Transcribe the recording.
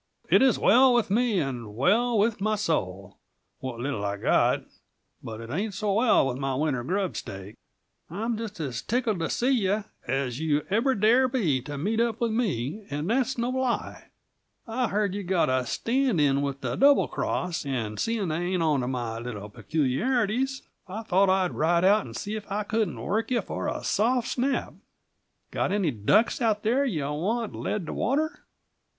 "It is well with me, and well with my soul what little I've got but it ain't so well with my winter grub stake. I'm just as tickled to see you as you ever dare be to meet up with me, and that's no lie. I heard you've got a stand in with the Double Cross, and seeing they ain't on to my little peculiarities, I thought I'd ride out and see if I couldn't work you for a soft snap. Got any ducks out there you want led to water?"